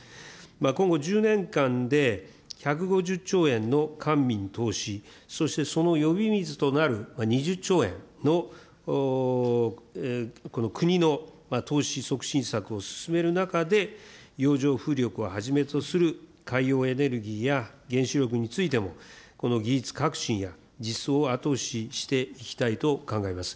今後１０年間で１５０兆円の官民投資、そしてその呼び水となる２０兆円の国の投資促進策を進める中で、洋上風力をはじめとする海洋エネルギーや原子力についても、この技術革新や実装を後押ししていきたいと考えます。